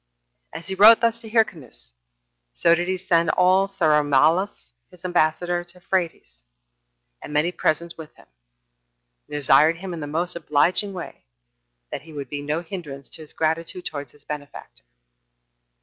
And as he wrote thus to Hyrcanus, so did he send also Saramallas, his ambassador, to Phraates, and many presents with him, and desired him in the most obliging way that he would be no hinderance to his gratitude towards his benefactor.